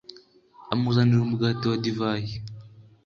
amuzanira umugati na divayi